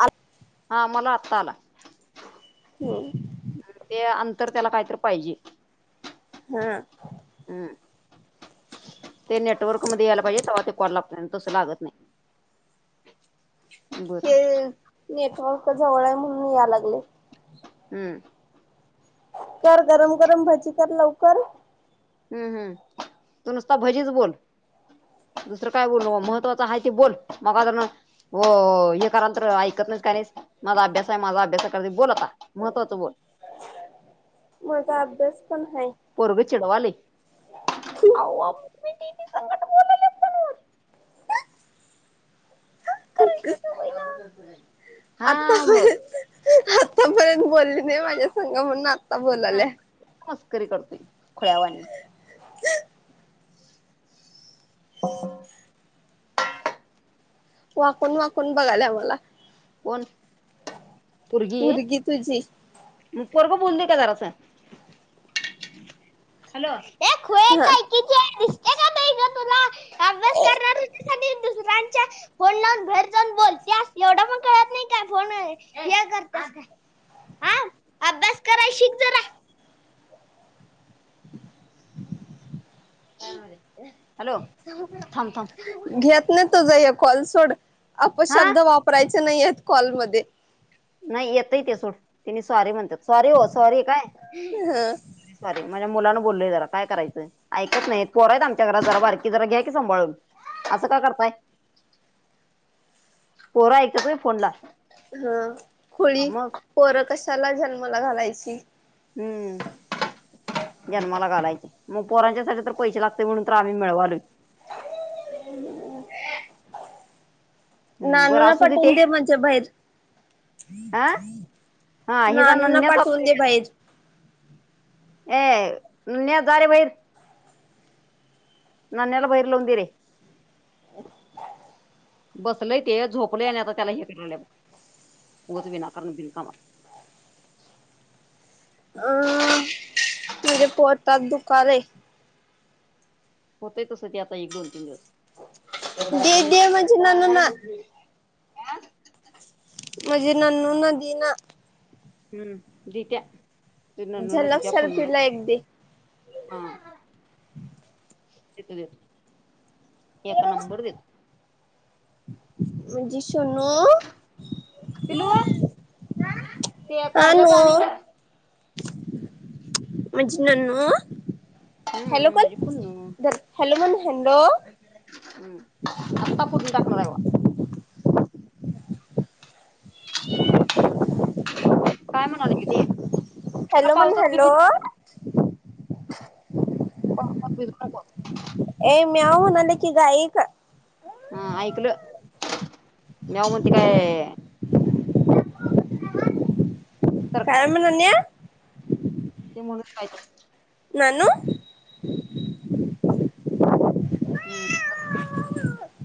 आ हा मला आत्ता आला ते अंतर त्याला काहीतरी पाहिजे अ हम्म ते नेटवर्क मध्ये यायला पाहिजे तेव्हा ते कॉल लागत तसं लागत नाही बरं हे नेटवर्क जवळ आहे म्हणून याय लागले हम्म कर गरम गरम भजी कर लवकर हम्म हम्म तू नुसता भजीच बोल दुसरं काय बोलू नको महत्वाचं आहे ते बोल मगा जरण हो हे करा तर ऐकत नाही का नाही माझा अभ्यास आहे माझा अभ्यास कर बोलता म का अबदस पोरग चिडवाले संकट बोलले [unintelligible] करायचं ग बाई हा आता. मग आतापर्यंत बोलली नाही माझ्या संग, म्हणून आता बोलाल्या. री करतोय खोळ्यावाणी. क रिकाम वाकून वाकून बघाला आम्हाला कोण पोरगी पोरग बुंद क तरस हॅलो हा काय पाहिजे तुला दुसऱ्या च्या फोन लाव भेर जान बोल त्या एवढं मण कळत नाही का फोन हे कर हा अभ्यास कराय शिक जरा हॅलो थांब थांब घेत नाही तुझ हे कॉलसोड हा अपशब्द वापरायचा नाही कॉलमध्ये नाही येत ते सोड तिने सॉरी म्हणतात सॉरी हो सॉरी काय ह सॉरी सॉरी म्हणज्या मुलां बोलल जरा काय करायचं ऐकत नाही पोरायत आमच्या घरात जरा बारकी जरा घ्या की सांाळून असं का करताय पोरा ऐकततय फोनला हा खोळी मग पोर कशाला जन्माला घालायची हम्म. जन्माला घालायचे मग पोरांच्या साठी तर पैसे लागते, म्हणून तर आम्ही मिळवालो. रिकाम [unintelligible] नानू ना पठवून ते दे म्हणजे बाहेर. हा हा हिचा नानू ना नन्या पाठवून दे बाहेर. ऐ नुन्या जाते बाहेर. ननेला बाहेर लावून देरे. [inaudible] बसलय ते झोपलेय आणि आता त्याला हे करावलं मग उत विनाकरण बिल कामा. अं माझ्या पोतात दुकालये. होतय तसं ते आता, एक, दोन, तीन दिवस. दे दे माझ्या नानुना. आ. माजे नानुना देना. हम्म दीट्या. तु ननूला झलक दिच्या, आपणला शर्फीला एक दे हा. देतो देतो. एक नंबर देतो. माजी शोणू. पिलू ते करलेच आण ईकड. माझी ननू. हॅलो हम्म कोण मजेपण धर हॅलो म्हण हॅलो हम्म. आत्ता फोडुन टाकणार आहेव. काय म्हणाले कित्येक? हॅलो म्हण हॅलो. पा पाझ [unintelligible] ए म्याव णाले की गाय का? हा आईकलं. म्याव म्हणती काय? तर काय ते मनन्या. म्हणूश काय पण. ननु हम्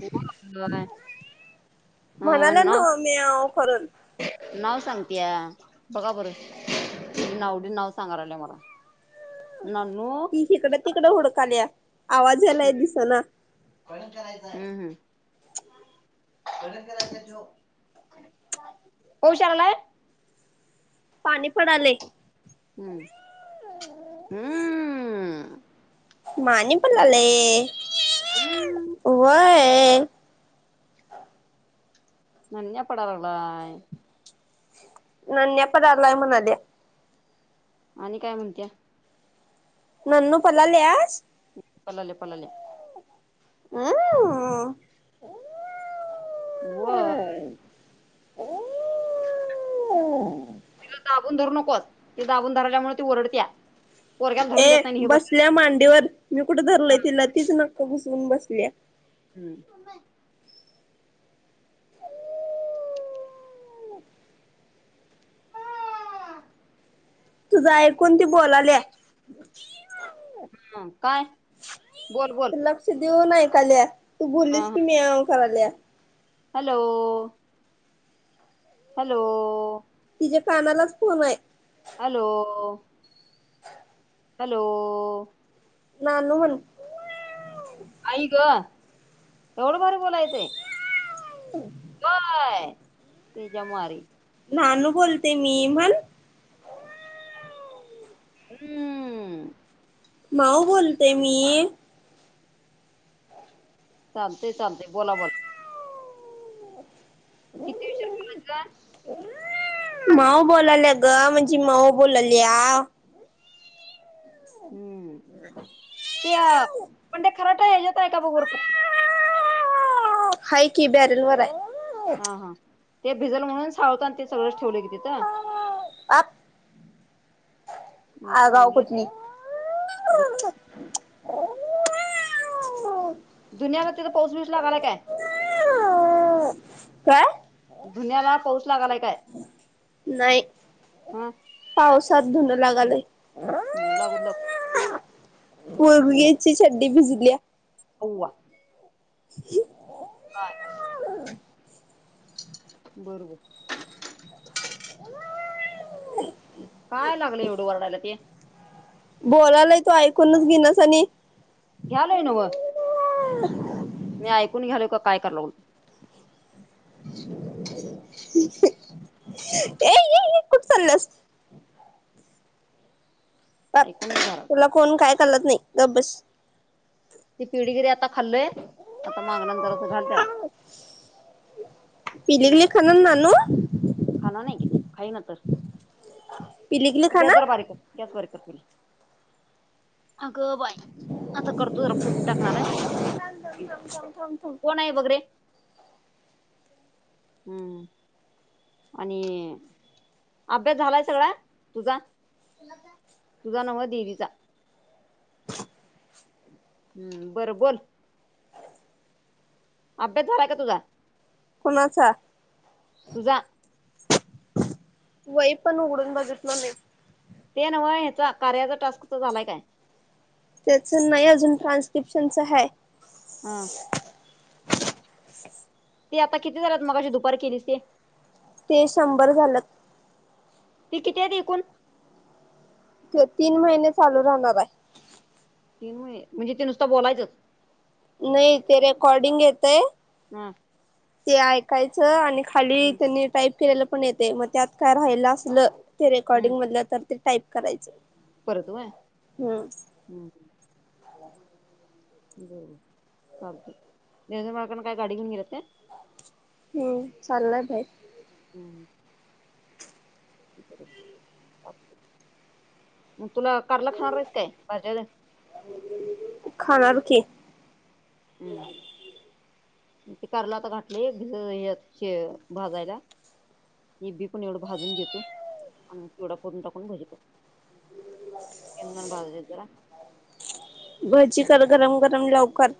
ह म्हणाल्या नऊ नव्ह म्याव करून नऊ सांग बघा बरं त नावडी नाव सांग रायले मला. नानू ती शकड तिकडं होडकाली आवाज यालाय, दिसना. करायच हम्म हम्म. पाऊस यायला. पाणी पडाले. हम्म हम्म. मानी पललाले, हम्म व्हय. नन्या पडालागलाय. नन्या पदारलाय म्हणाल्या. आणि काय म्हणत्या. ननु पलाल्यास. पलाले पलाले. हम्म. व्ह. अ [unintelligible] [inaudible] तिला दाबून धरु नकोस. ती दाबून धरल्यामुळे ती ओरडत्या. पोरग्याला धरून देत ए नाही आणि ही बस बसल्या मांडीवर मी कुठं हा धरलय तिला तीच नाक घुसवून बसल्या. हम्म तुझा ऐकून ती बोलाल्या, हम काय बोल बोल, हसाल्या, तू हा बोललीस हा की म्याँव कराल्या. हॅलो, हॅलो, हे कानालाच फोन आहे. हॅलो, हॅलो, नानु म्हण आई ग, एवढं भारी बोलाय येतय. काय तेज्या मारी नानू बोलते मी म्हण हम्म, माऊ बोलते मी, चालतय चालतय बोला बोला किती ऊशीर गेलेत ग. माऊ बोलाल्या ग म्हणजे माऊ बोलायल्या आ हम्म, ते आपण ते खराटा हेच्यात आहे का बघ बरं. हाय की बॅरेल वर आहे. हा हा ते भिजल म्हणून साळुतान ते सगळंच ठेवलं की तिथ. आप म आगाव म्हटलं कुठली धुनियाला तिथ पाऊसबिस लागलाय काय. काय धुन्याला पाऊस लागलाय काय? नाही हा पावसात धुन लागालय. हम लागूदे लागू दे पोरग्याची चड्डी भिजल्या. अवा. [unintelligible] बरोबर. काय लागल एवढं वरडायला ते. बोलालाय तू ऐकूनच घेईनास आणि घ्यालोय नव मी ऐकून घ्यायलोय का काय करायलोय. ये ये ये कुठ चालल्यास. गप ऐकून घ्यालोय तुला कोण काय कलत नाही. गप बस. ती पेढगिरी आता खाल्लय आता मागन नंतर असं घाल त्याला. हम्म पेलीगलि खाणार नानो खाई ना तर पिलीगली गॅस जरा खाणार बारीक कर, गॅस बारीक कर. अगं बाय तु जरा फुडुन टाकणार आहे कोण आहे बघरे. हम्म आणि अभ्यास झालाय सगळा तुझा तुझा न्हव दिदीचा हम्म बरं बोल, अभ्यास झालाय का तुझा? कोणाचा तुझा वही पण उघडून बघितलो नाय. तेनव ह्याचा कार्याचा टास्कचा झालाय काय. त्याच नाही अजून ट्रान्स्क्रिप्शनच आहे. हम ते आता किती झालात मगाशी दुपार केलीस ते. ते शंभर झाल्यात. ते किती आहे एकूण. तीन महिने चालू राहणार आहे. तीन महि म्हणजे ती नुसता बोलायचंच. नाही ते रेकॉर्डिंग येतय हा ते ऐकायचं आणि. खाली हम्म. त्यांनी टाईप केलेलं पण येते मग त्यात काय राहिलं असलं ते हम्म रेकॉर्डिंग मधलं तर ते टाईप करायचं. परत व्हय हम्म ह. बरोबर चालते देव बाळकन काय गाडी घेऊन घे हम्म चाललाय भाहेर. हम्म. बरोबच. तुला कारल खाणार आहेस काय बाज्या खाणार की हम्म. ते कारल आता घाठल शे भाजायला. मी बी पण एवढं भाजून घेतो आणि मग केवढा फरून टाकून भजी कर शेंगदाणे भाजू देत जरा. भजी कर गरम गरम लवकर.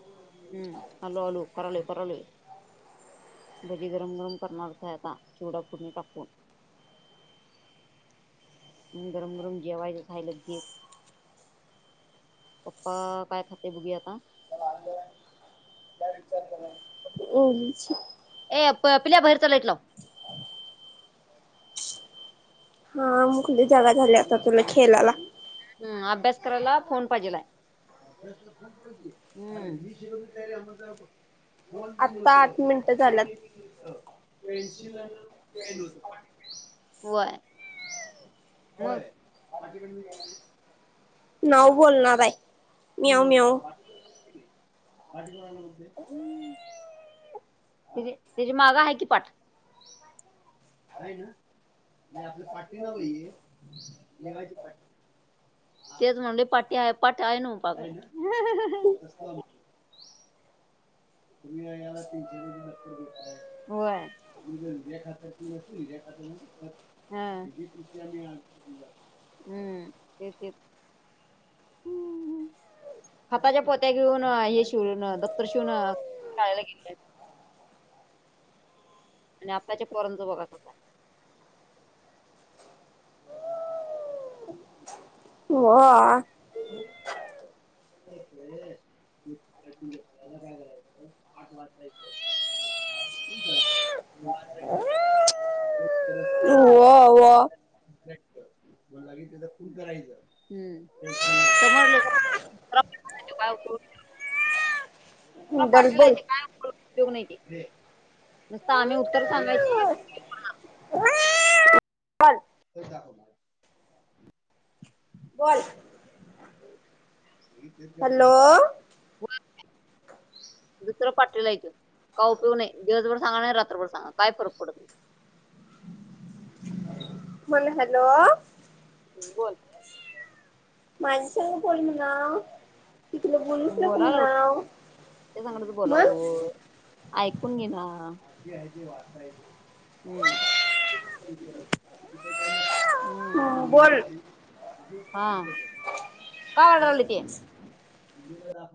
हम्म. आलो आलो करलोय करलोय भजी गरम गरम करणारच आहे आता चिवडा पुुढणी टाकू [inaudible] गरम गरम जेवायचं झालं की. पप्पा काय खाते बुघी आता [inaudible] होच. ए प पिल्या बाहेरच लाईट लाव. हा मुकली जागा झाली अस तुला खेळाला हम्म अभ्यास करायला फोन पाहिजेला. अभ्यास फोन करायची विष करून तयारी आम्हा आता आठ मिनिटं झाल्यात. ज. मग. नाव बोलणारय म्याव म्याव. पाडचणारग हम्. ती तिजी माग आहे की पाठ. आहे ना म्हणजे आपलं पाठी नव ये लिवायची पाठी. तेच म्हणालो पाटी पाट आय नू पाक अहं अहं. तुम्ही याला तीनशे रुपये दफ्तर देताय, होय. आणि यूरिया खात हा. विजय कृषी हम्म. ते तेच. हाताच्या पोत्या घेऊन हे शिवून दफ्तर शिवून खायला घेतल्यात आणि आपल्याच्या पोरनचा बघा [unintelligible] [inaudible] पाठवा. [unintelligible] [inaudible] हो. [unintelligible] बलाे त्याचा खून करायचन्ह समोर पेन्सिल. काय डल बोल पाठीलायची काय? उपयोग नाही ते नुसत आम्ही उत्तर सांगायची बोल ते दाखव म बोल. हॅलो दुसरं पाठलेला आहे तो काय उपयोग नही दिवसभर सांगा नाही तर रात्रभर सांगा काय फरक पडत नही. म्हण हॅलो. ह बोल. माझ्या संग बोल म्हनाव त तुलं बोलूच नको बोलाय लागलो म्हणावं. ते सांगतच बोलालो ऐकून घे ना. हम्म कुठ काही नस हम्म. बोल हा का रडलाय ते? ला द